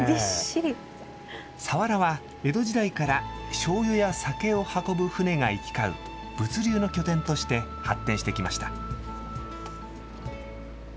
佐原は江戸時代からしょうゆや酒を運ぶ舟が行き交う、物流の拠点として発展してきました。